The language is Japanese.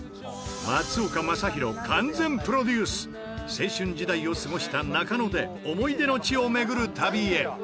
青春時代を過ごした中野で思い出の地を巡る旅へ。